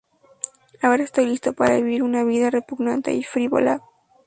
Ahora estoy listo para vivir una vida repugnante y frívola".